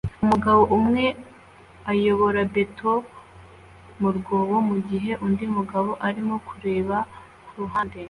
Umugabo umwe ayobora beto mu mwobo mugihe undi mugabo arimo kureba kuruhande